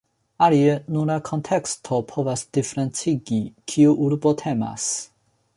Alie, nur la konteksto povas diferencigi, kiu urbo temas.